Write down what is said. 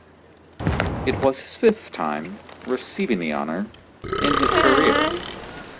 It was his fifth time receiving the honor in his career.